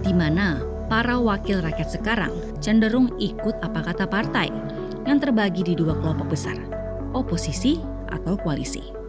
di mana para wakil rakyat sekarang cenderung ikut apa kata partai yang terbagi di dua kelompok besar oposisi atau koalisi